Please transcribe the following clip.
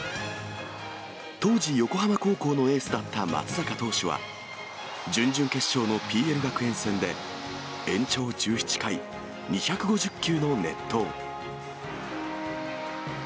当時、横浜高校のエースだった松坂投手は、準々決勝のＰＬ学園戦で、延長１７回、２５０球の熱投。